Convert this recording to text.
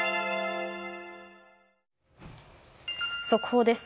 速報です。